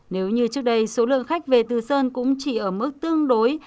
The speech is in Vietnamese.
nếu như trước đây số lượng khách về từ sơn cũng chỉ ở mức tương đối